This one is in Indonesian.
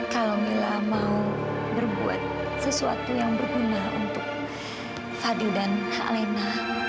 kalau mila mau berbuat sesuatu yang berguna untuk fadil dan hak lena